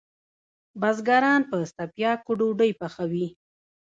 بزګران په څپیاکو ډوډئ پخوی